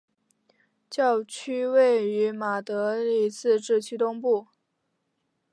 教区位于马德里自治区东部。